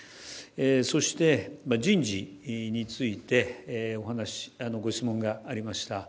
そして、人事についてご質問がありました。